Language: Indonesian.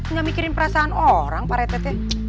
nggak mikirin perasaan orang paretete